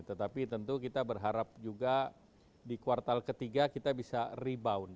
tetapi tentu kita berharap juga di kuartal ketiga kita bisa rebound